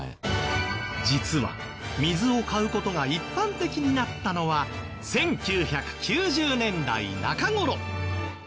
実は水を買う事が一般的になったのは１９９０年代中頃。